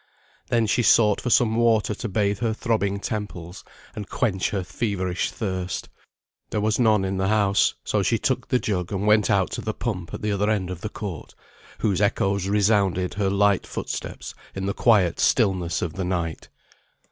Then she sought for some water to bathe her throbbing temples, and quench her feverish thirst. There was none in the house, so she took the jug and went out to the pump at the other end of the court, whose echoes resounded her light footsteps in the quiet stillness of the night.